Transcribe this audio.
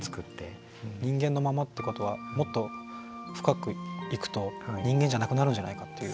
「人間のまま」ってことはもっと深くいくと人間じゃなくなるんじゃないかっていう。